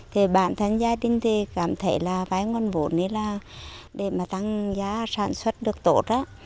thì bản thân gia đình thì cảm thấy là vai nguồn vốn này là để mà tăng giá sản xuất được tốt á